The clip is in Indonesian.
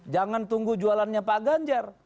jangan tunggu jualannya pak ganjar